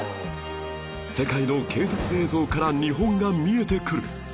世界の警察映像から日本が見えてくる